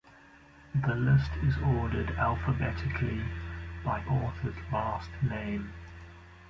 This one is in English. The list is ordered alphabetically by author's last name.